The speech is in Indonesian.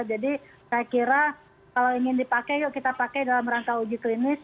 jadi saya kira kalau ingin dipakai yuk kita pakai dalam rangka uji klinis